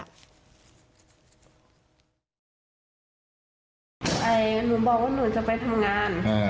หนูบอกว่าหนูจะไปทำงาน